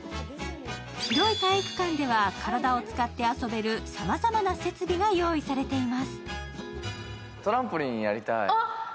広い体育館では体を使って遊べるさまざまな設備が用意されています。